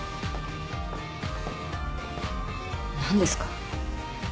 何ですか？